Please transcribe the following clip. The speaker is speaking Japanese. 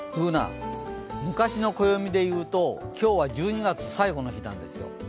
Ｂｏｏｎａ、昔の暦でいうと今日は１２月最後の日なんですよ。